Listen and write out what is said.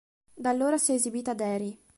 Da allora si è esibita ad Erie.